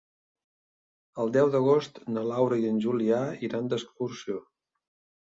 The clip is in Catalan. El deu d'agost na Laura i en Julià iran d'excursió.